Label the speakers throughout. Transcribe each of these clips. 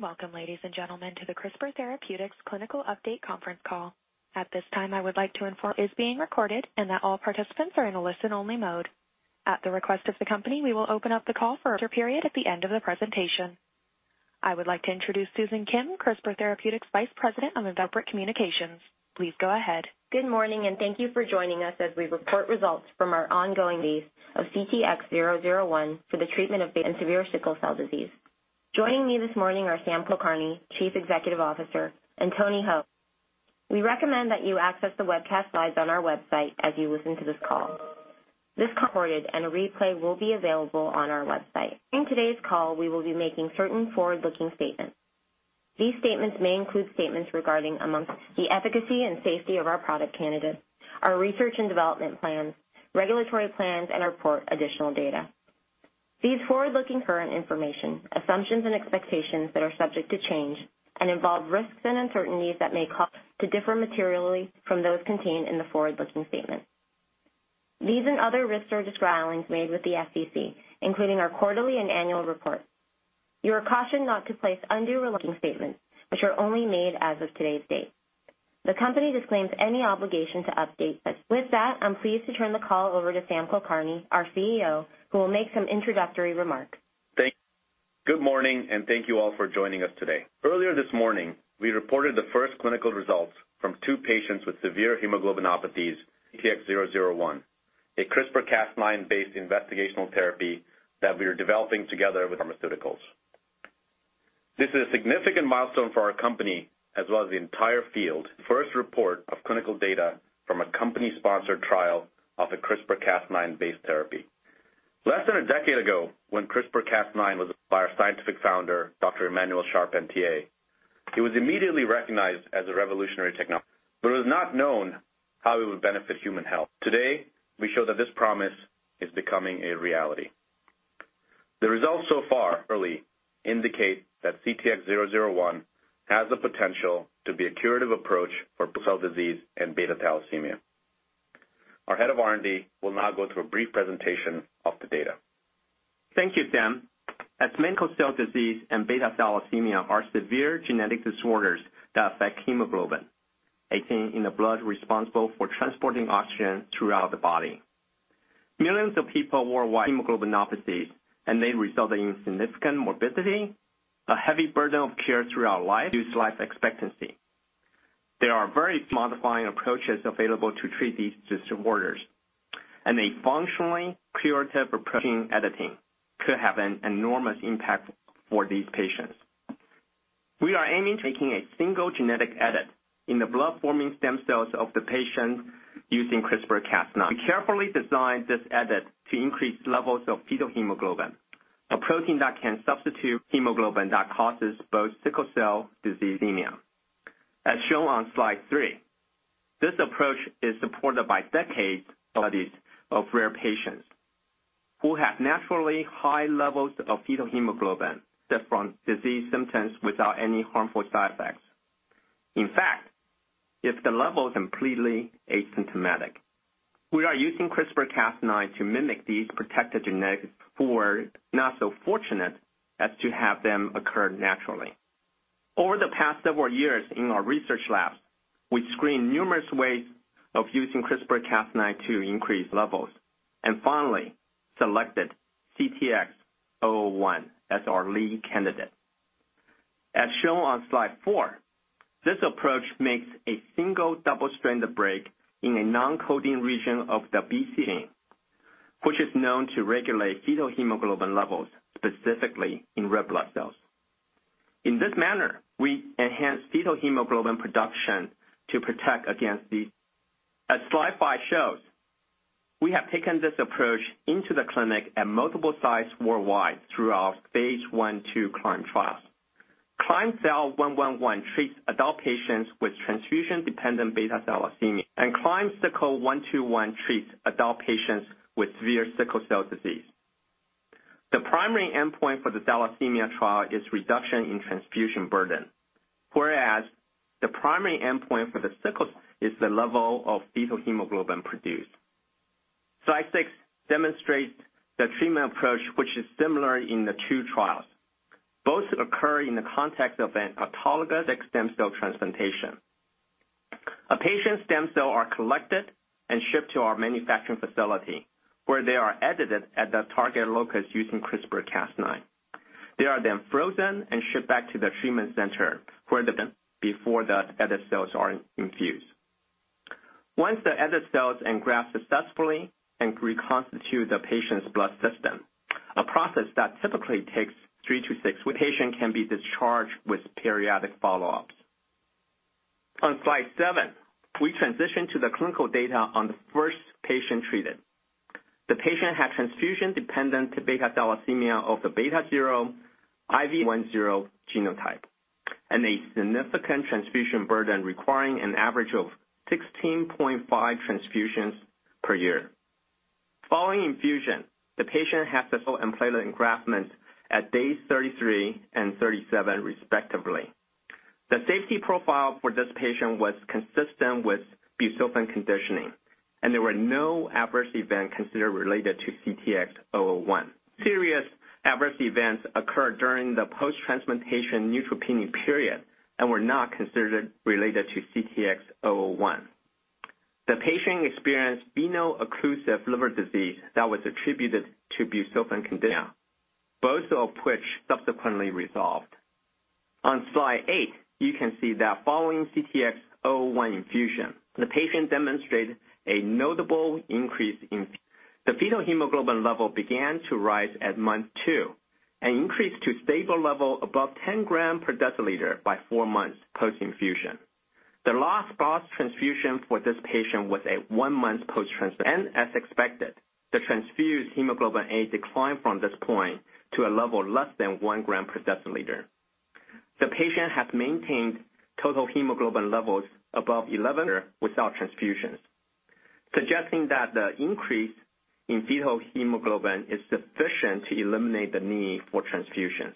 Speaker 1: Welcome, ladies and gentlemen, to the CRISPR Therapeutics Clinical Update conference call. At this time, I would like to inform you that this call is being recorded and that all participants are in a listen-only mode. At the request of the company, we will open up the call for a question period at the end of the presentation. I would like to introduce Susan Kim, CRISPR Therapeutics' Vice President of Investor Communications. Please go ahead.
Speaker 2: Good morning, and thank you for joining us as we report results from our ongoing studies of CTX001 for the treatment of beta and severe sickle cell disease. Joining me this morning are Sam Kulkarni, Chief Executive Officer, and Tony Ho. We recommend that you access the webcast slides on our website as you listen to this call. This call is recorded and a replay will be available on our website. During today's call, we will be making certain forward-looking statements. These statements may include statements regarding, amongst, the efficacy and safety of our product candidates, our research and development plans, regulatory plans, and our report additional data. These forward-looking statements include current information, assumptions, and expectations that are subject to change and involve risks and uncertainties that may cause actual results to differ materially from those contained in the forward-looking statements. These and other risks are described in filings made with the SEC, including our quarterly and annual reports. You are cautioned not to place undue reliance on these forward-looking statements, which are only made as of today's date. The company disclaims any obligation to update such statements. With that, I'm pleased to turn the call over to Sam Kulkarni, our CEO, who will make some introductory remarks.
Speaker 3: Thank you. Good morning, and thank you all for joining us today. Earlier this morning, we reported the first clinical results from two patients with severe hemoglobinopathies, CTX001, a CRISPR-Cas9-based investigational therapy that we are developing together with Pharmaceuticals. This is a significant milestone for our company as well as the entire field, the first report of clinical data from a company-sponsored trial of a CRISPR-Cas9-based therapy. Less than a decade ago, when CRISPR-Cas9 was discovered by our scientific founder, Dr. Emmanuelle Charpentier, it was immediately recognized as a revolutionary technology, it was not known how it would benefit human health. Today, we show that this promise is becoming a reality. The results so far indicate that CTX001 has the potential to be a curative approach for sickle cell disease and beta thalassemia. Our Head of R&D will now go through a brief presentation of the data.
Speaker 4: Thank you, Sam. Sickle cell disease and beta thalassemia are severe genetic disorders that affect hemoglobin, a protein in the blood responsible for transporting oxygen throughout the body. Millions of people worldwide have hemoglobinopathies, and they result in significant morbidity, a heavy burden of care throughout life, and reduced life expectancy. There are very few disease-modifying approaches available to treat these disorders, and a functionally curative approach using gene editing could have an enormous impact for these patients. We are aiming at making a single genetic edit in the blood-forming stem cells of the patient using CRISPR-Cas9. We carefully designed this edit to increase levels of fetal hemoglobin, a protein that can substitute hemoglobin that causes both sickle cell disease and thalassemia. As shown on slide three, this approach is supported by decades of studies of rare patients who have naturally high levels of fetal hemoglobin that prevent disease symptoms without any harmful side effects. In fact, at the level completely asymptomatic. We are using CRISPR-Cas9 to mimic these protective genetics for those who are not so fortunate as to have them occur naturally. Over the past several years in our research labs, we screened numerous ways of using CRISPR-Cas9 to increase levels and finally selected CTX001 as our lead candidate. As shown on slide four, this approach makes a single double-stranded break in a non-coding region of the BCL11A gene, which is known to regulate fetal hemoglobin levels, specifically in red blood cells. In this manner, we enhance fetal hemoglobin production to protect against these diseases. As slide five shows, we have taken this approach into the clinic at multiple sites worldwide through our Phase I/II CLIMB trials. CLIMB-111 treats adult patients with transfusion-dependent beta thalassemia, and CLIMB-121 treats adult patients with severe sickle cell disease. The primary endpoint for the thalassemia trial is reduction in transfusion burden, whereas the primary endpoint for the sickle cell is the level of fetal hemoglobin produced. Slide six demonstrates the treatment approach, which is similar in the two trials. Both occur in the context of an autologous stem cell transplantation. A patient's stem cells are collected and shipped to our manufacturing facility, where they are edited at the target locus using CRISPR-Cas9. They are then frozen and shipped back to the treatment center for editing before the edited cells are infused. Once the edited cells engraft successfully and reconstitute the patient's blood system, a process that typically takes three to six weeks, the patient can be discharged with periodic follow-ups. On slide seven, we transition to the clinical data on the first patient treated. The patient had transfusion-dependent beta thalassemia of the beta zero/IVS-I-110 genotype and a significant transfusion burden requiring an average of 16.5 transfusions per year. Following infusion, the patient had successful engraftment at days 33 and 37, respectively. The safety profile for this patient was consistent with busulfan conditioning, and there were no adverse events considered related to CTX001. Serious adverse events occurred during the post-transplantation neutropenia period and were not considered related to CTX001. The patient experienced veno-occlusive disease of the liver that was attributed to busulfan conditioning, both of which subsequently resolved. On slide eight, you can see that following CTX001 infusion, the patient demonstrated a notable increase. The fetal hemoglobin level began to rise at month two and increased to stable level above 10 gram per deciliter by four months post-infusion. The last blood transfusion for this patient was at one month post-transplant. As expected, the transfused hemoglobin A declined from this point to a level less than one gram per deciliter. The patient has maintained total hemoglobin levels above 11 without transfusions, suggesting that the increase in fetal hemoglobin is sufficient to eliminate the need for transfusions.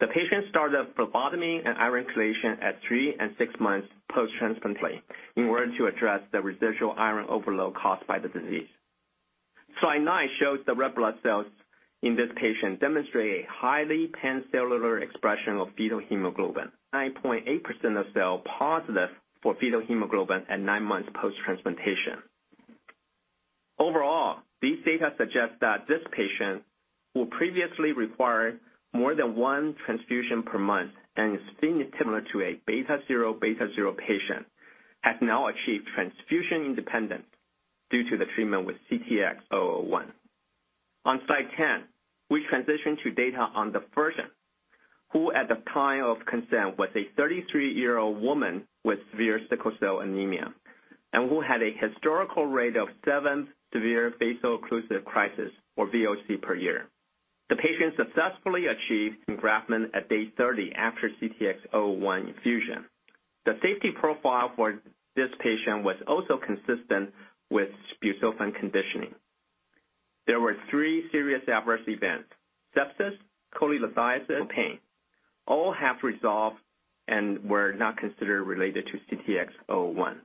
Speaker 4: The patient started phlebotomy and iron chelation at three and six months post-transplant in order to address the residual iron overload caused by the disease. Slide nine shows the red blood cells in this patient demonstrate a highly pan-cellular expression of fetal hemoglobin. 9.8% of cells positive for fetal hemoglobin at 9 months post-transplantation. Overall, these data suggest that this patient, who previously required more than one transfusion per month and is similar to a beta zero, beta zero patient, has now achieved transfusion independence due to the treatment with CTX001. On slide 10, we transition to data on the patient, who at the time of consent was a 33-year-old woman with severe sickle cell anemia and who had a historical rate of seven severe vaso-occlusive crisis, or VOC, per year. The patient successfully achieved engraftment at day 30 after CTX001 infusion. The safety profile for this patient was also consistent with busulfan conditioning. There were three serious adverse events: sepsis, cholelithiasis, and pain. All have resolved and were not considered related to CTX001.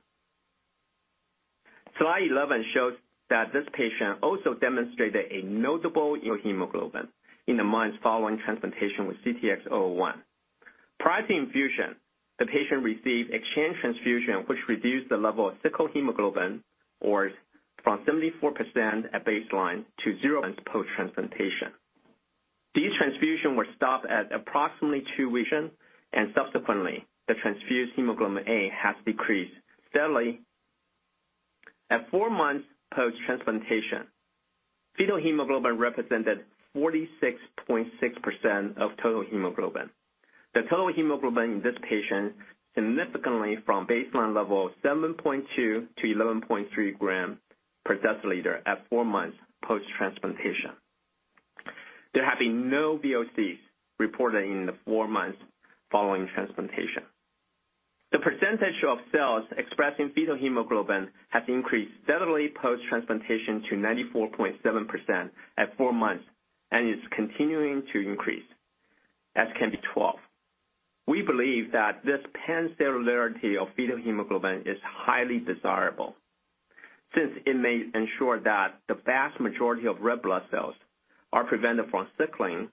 Speaker 4: Slide 11 shows that this patient also demonstrated a notable hemoglobin in the months following transplantation with CTX001. Prior to infusion, the patient received exchange transfusion, which reduced the level of sickle hemoglobin from 74% at baseline to 0% post-transplantation. These transfusions were stopped at approximately two weeks, subsequently, the transfused hemoglobin A has decreased steadily. At four months post-transplantation, fetal hemoglobin represented 46.6% of total hemoglobin. The total hemoglobin in this patient significantly from baseline level 7.2 to 11.3 gram per deciliter at four months post-transplantation. There have been no VOCs reported in the four months following transplantation. The percentage of cells expressing fetal hemoglobin has increased steadily post-transplantation to 94.7% at four months and is continuing to increase. We believe that this pan-cellularity of fetal hemoglobin is highly desirable, since it may ensure that the vast majority of red blood cells are prevented from sickling.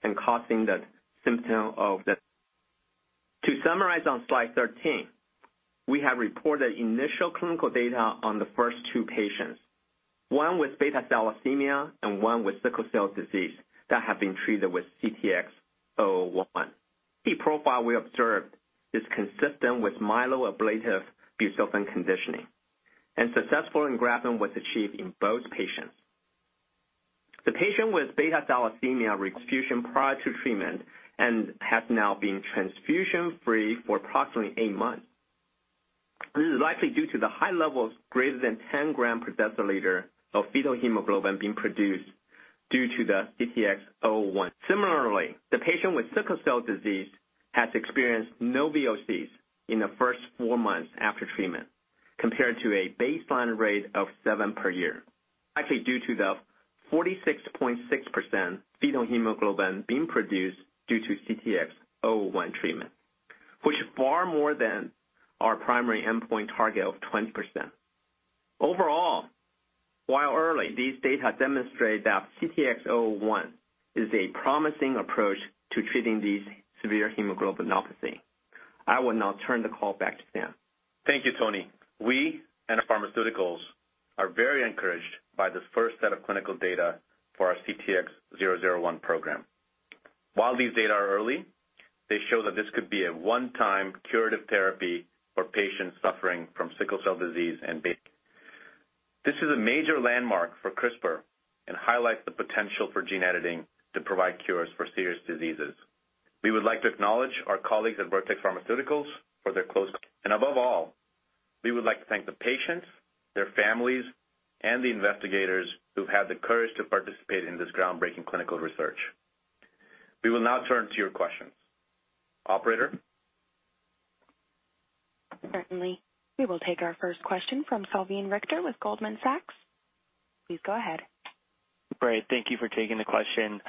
Speaker 4: To summarize on slide 13, we have reported initial clinical data on the first two patients, one with beta thalassemia and one with sickle cell disease that have been treated with CTX001. The profile we observed is consistent with myeloablative busulfan conditioning, and successful engraftment was achieved in both patients. The patient with beta thalassemia required transfusion prior to treatment and has now been transfusion-free for approximately eight months. This is likely due to the high levels greater than 10 gram per deciliter of fetal hemoglobin being produced due to the CTX001. Similarly, the patient with sickle cell disease has experienced no VOCs in the first four months after treatment, compared to a baseline rate of seven per year, likely due to the 46.6% fetal hemoglobin being produced due to CTX001 treatment, which is far more than our primary endpoint target of 20%. While early, these data demonstrate that CTX001 is a promising approach to treating these severe hemoglobinopathies. I will now turn the call back to Sam.
Speaker 3: Thank you, Tony. We and Vertex Pharmaceuticals are very encouraged by this first set of clinical data for our CTX001 program. While these data are early, they show that this could be a one-time curative therapy for patients suffering from sickle cell disease and beta thalassemia. This is a major landmark for CRISPR and highlights the potential for gene editing to provide cures for serious diseases. We would like to acknowledge our colleagues at Vertex Pharmaceuticals for their close. Above all, we would like to thank the patients, their families, and the investigators who've had the courage to participate in this groundbreaking clinical research. We will now turn to your questions. Operator?
Speaker 1: Certainly. We will take our first question from Salveen Richter with Goldman Sachs. Please go ahead.
Speaker 5: Great. Thank you for taking the question.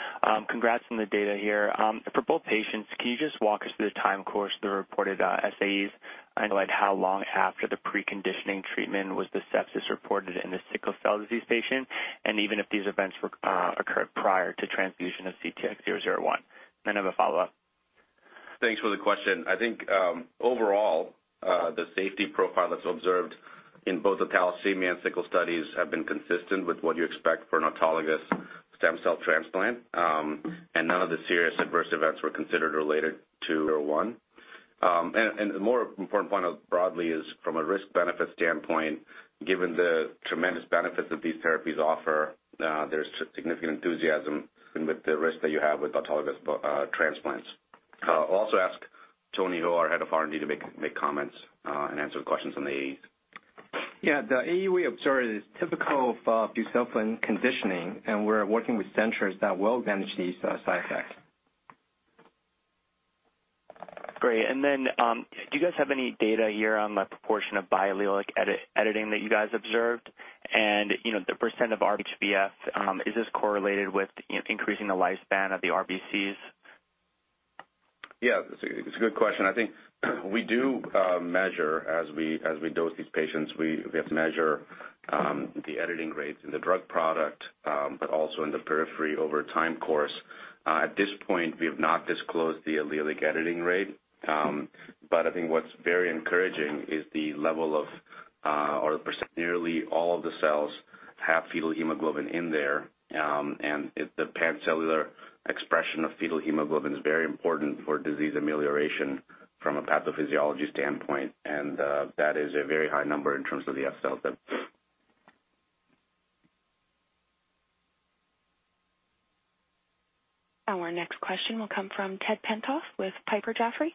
Speaker 5: Congrats on the data here. For both patients, can you just walk us through the time course of the reported SAEs and how long after the preconditioning treatment was the sepsis reported in the sickle cell disease patient? Even if these events occurred prior to transfusion of CTX001. I have a follow-up.
Speaker 3: Thanks for the question. I think, overall, the safety profile that's observed in both the thalassemia and sickle studies have been consistent with what you expect for an autologous stem cell transplant. None of the serious adverse events were considered related to 001. The more important point broadly is from a risk-benefit standpoint, given the tremendous benefits that these therapies offer, there's significant enthusiasm with the risk that you have with autologous transplants. I'll also ask Tony Ho, our Head of R&D, to make comments and answer questions on the AE.
Speaker 4: Yeah, the AE we observed is typical for busulfan conditioning, and we're working with centers that will manage these side effects.
Speaker 5: Great. Do you guys have any data here on the proportion of biallelic editing that you guys observed, and the % of RBC HbF? Is this correlated with increasing the lifespan of the RBCs?
Speaker 3: Yeah. It's a good question. I think we do measure, as we dose these patients, we have to measure the editing rates in the drug product, but also in the periphery over a time course. At this point, we have not disclosed the allelic editing rate. I think what's very encouraging is the level of, or the percent, nearly all of the cells have fetal hemoglobin in there, and the pan-cellular expression of fetal hemoglobin is very important for disease amelioration from a pathophysiology standpoint. That is a very high number in terms of the F cell.
Speaker 1: Our next question will come from Ted Tenthoff with Piper Jaffray.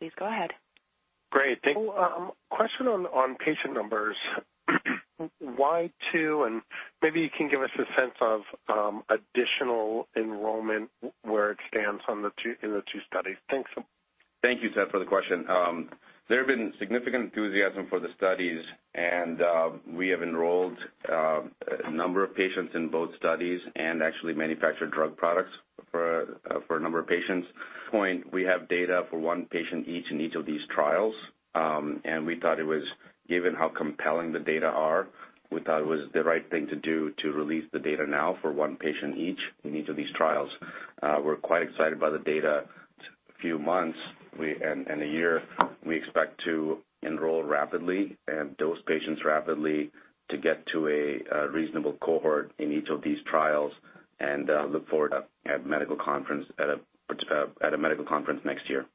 Speaker 1: Please go ahead.
Speaker 6: Great. Thank you. Question on patient numbers. Why two, and maybe you can give us a sense of additional enrollment, where it stands in the two studies. Thanks.
Speaker 3: Thank you, Ted, for the question. There has been significant enthusiasm for the studies, and we have enrolled a number of patients in both studies and actually manufactured drug products for a number of patients. At this point, we have data for one patient each in each of these trials. Given how compelling the data are, we thought it was the right thing to do to release the data now for one patient each in each of these trials. We're quite excited by the data. In a few months and a year, we expect to enroll rapidly and dose patients rapidly to get to a reasonable cohort in each of these trials and look forward at a medical conference next year.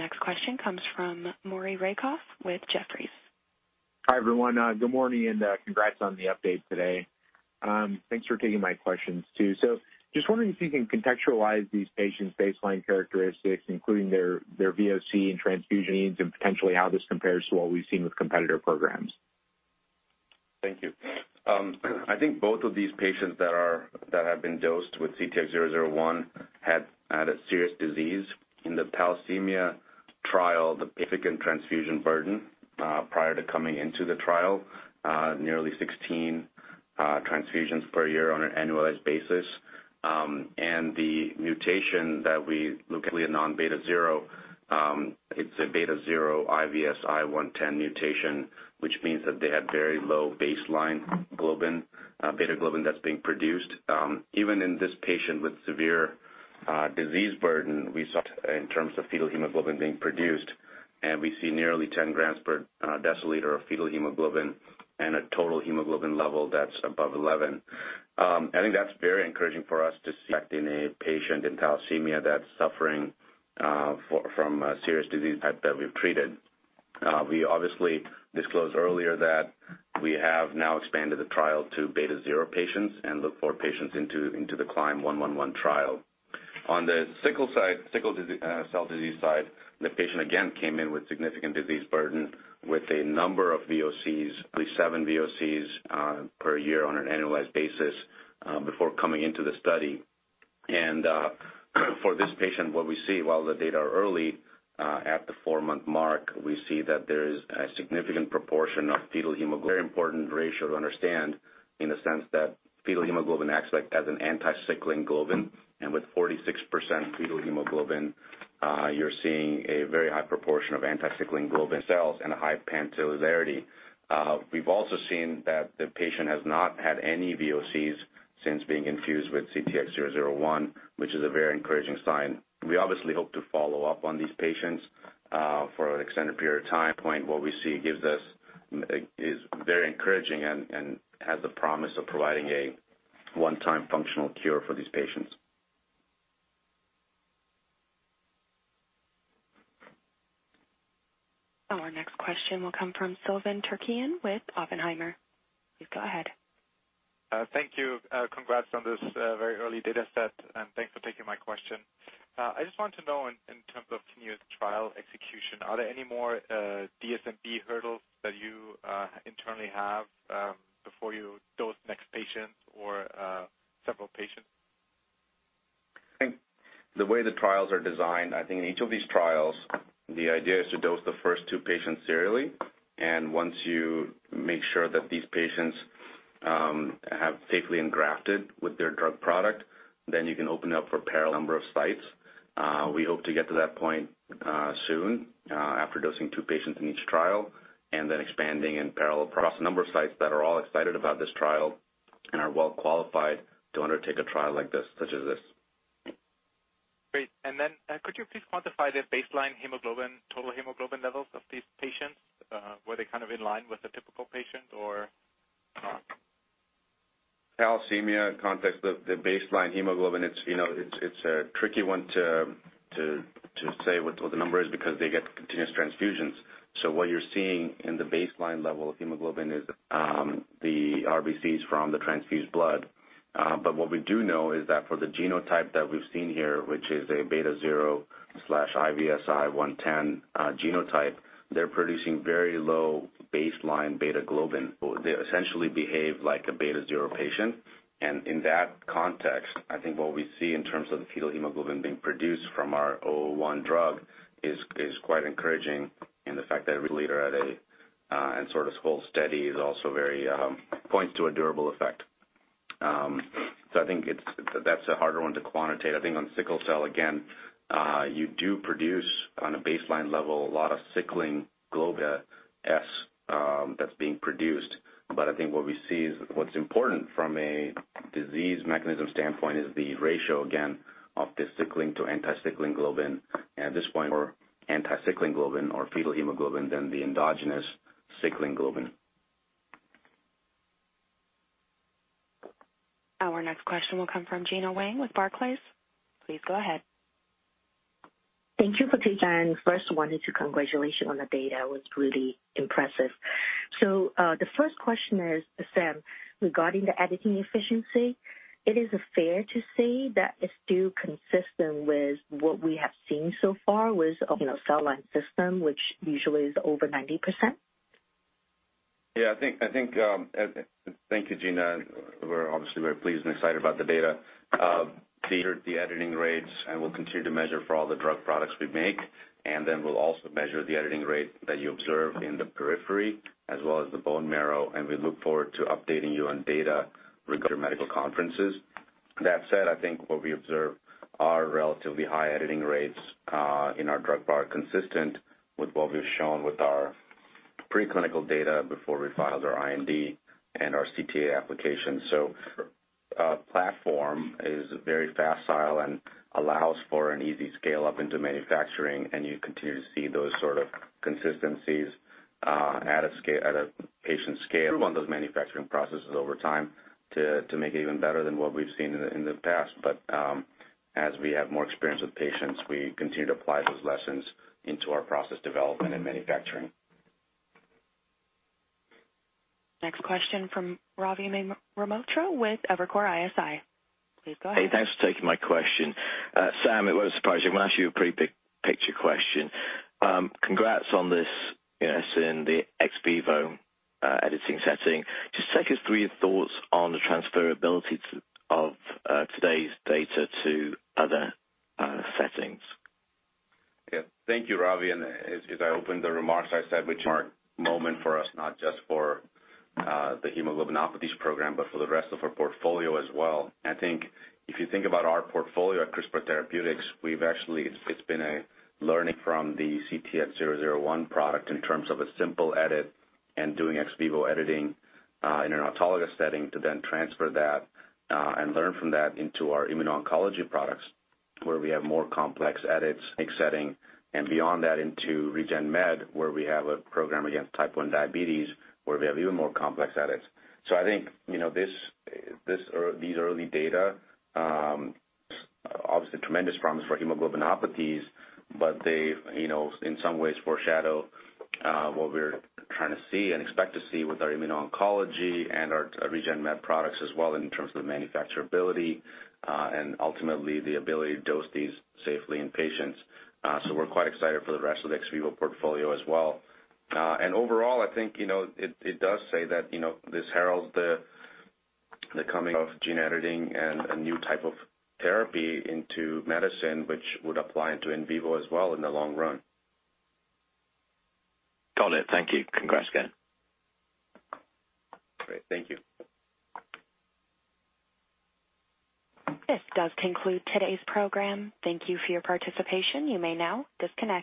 Speaker 1: Our next question comes from Maury Raycroft with Jefferies.
Speaker 7: Hi, everyone. Good morning, and congrats on the update today. Thanks for taking my questions, too. Just wondering if you can contextualize these patients' baseline characteristics, including their VOC and transfusion needs, and potentially how this compares to what we've seen with competitor programs.
Speaker 3: Thank you. I think both of these patients that have been dosed with CTX001 had a serious disease. In the thalassemia trial, the significant transfusion burden prior to coming into the trial, nearly 16 transfusions per year on an annualized basis. The mutation that we look at non-beta zero, it's a beta zero IVS-I-110 mutation, which means that they had very low baseline hemoglobin, beta globin that's being produced. Even in this patient with severe disease burden, we saw in terms of fetal hemoglobin being produced, and we see nearly 10 grams per deciliter of fetal hemoglobin and a total hemoglobin level that's above 11. I think that's very encouraging for us to see that in a patient in thalassemia that's suffering from a serious disease type that we've treated. We obviously disclosed earlier that we have now expanded the trial to beta zero patients and look for patients into the CLIMB-Thal-111 trial. On the sickle cell disease side, the patient again came in with significant disease burden with a number of VOCs, at least seven VOCs per year on an annualized basis before coming into the study. For this patient, what we see, while the data are early at the four-month mark, we see that there is a significant proportion of fetal hemoglobin. Very important ratio to understand in the sense that fetal hemoglobin acts as an anti-sickling globin. With 46% fetal hemoglobin, you're seeing a very high proportion of anti-sickling globin cells and a high pan-cellularity. We've also seen that the patient has not had any VOCs since being infused with CTX001, which is a very encouraging sign. We obviously hope to follow up on these patients for an extended period of time. At this point, what we see is very encouraging and has the promise of providing a one-time functional cure for these patients.
Speaker 1: Our next question will come from Sylvain Tourkian with Oppenheimer. Please go ahead.
Speaker 8: Thank you. Congrats on this very early data set, and thanks for taking my question. I just wanted to know in terms of continued trial execution, are there any more DSMB hurdles that you internally have before you dose the next patient or several patients?
Speaker 3: I think the way the trials are designed, I think in each of these trials, the idea is to dose the first two patients serially, and once you make sure that these patients have safely engrafted with their drug product, then you can open up for a parallel number of sites. We hope to get to that point soon after dosing two patients in each trial and then expanding in parallel across a number of sites that are all excited about this trial and are well-qualified to undertake a trial like this, such as this.
Speaker 8: Great. Could you please quantify the baseline hemoglobin, total hemoglobin levels of these patients? Were they in line with the typical patient or not?
Speaker 3: Thalassemia context, the baseline hemoglobin, it's a tricky one to say what the number is because they get continuous transfusions. What you're seeing in the baseline level of hemoglobin is the RBCs from the transfused blood. What we do know is that for the genotype that we've seen here, which is a beta zero/IVS-I-110 genotype, they're producing very low baseline beta globin. They essentially behave like a beta zero patient. In that context, I think what we see in terms of the fetal hemoglobin being produced from our CTX001 drug is quite encouraging, and the fact that every liter at a sort of slow and steady points to a durable effect. I think that's a harder one to quantitate. I think on sickle cell, again, you do produce on a baseline level, a lot of sickling globins that's being produced. I think what we see is what's important from a disease mechanism standpoint is the ratio again of the sickling to anti-sickling globin. At this point, more anti-sickling globin or fetal hemoglobin than the endogenous sickling globin.
Speaker 1: Our next question will come from Gena Wang with Barclays. Please go ahead.
Speaker 9: Thank you for taking. First, wanted to congratulate you on the data. It was really impressive. The first question is, Sam, regarding the editing efficiency, it is fair to say that it's still consistent with what we have seen so far with the cell line system, which usually is over 90%?
Speaker 3: Yeah, I think, thank you, Gena. We're obviously very pleased and excited about the data. The editing rates, we'll continue to measure for all the drug products we make, then we'll also measure the editing rate that you observe in the periphery as well as the bone marrow, we look forward to updating you on data regarding medical conferences. That said, I think what we observe are relatively high editing rates in our drug product consistent with what we've shown with our preclinical data before we filed our IND and our CTA application. Our platform is very facile and allows for an easy scale-up into manufacturing, you continue to see those sort of consistencies at a patient scale. We run those manufacturing processes over time to make it even better than what we've seen in the past. As we have more experience with patients, we continue to apply those lessons into our process development and manufacturing.
Speaker 1: Next question from Ravi Mehrotra with Evercore ISI. Please go ahead.
Speaker 10: Hey, thanks for taking my question. Sam, it was a surprise. I'm going to ask you a pretty big-picture question. Congrats on this in the ex vivo editing setting. Just take us through your thoughts on the transferability of today's data to other settings.
Speaker 3: Yeah. Thank you, Ravi. As I opened the remarks, I said it's a landmark moment for us, not just for the hemoglobinopathies program, but for the rest of our portfolio as well. I think if you think about our portfolio at CRISPR Therapeutics, it's been a learning from the CTX001 product in terms of a simple edit and doing ex vivo editing in an autologous setting to then transfer that and learn from that into our immuno-oncology products, where we have more complex edits, like setting and beyond that into Regen Med, where we have a program against type 1 diabetes, where we have even more complex edits. I think these early data, obviously tremendous promise for hemoglobinopathies, but they in some ways foreshadow what we're trying to see and expect to see with our immuno-oncology and our Regen Med products as well in terms of the manufacturability and ultimately the ability to dose these safely in patients. We're quite excited for the rest of the ex vivo portfolio as well. Overall, I think it does say that this heralds the coming of gene editing and a new type of therapy into medicine, which would apply into in vivo as well in the long run.
Speaker 10: Got it. Thank you. Congrats again.
Speaker 3: Great. Thank you.
Speaker 1: This does conclude today's program. Thank you for your participation. You may now disconnect.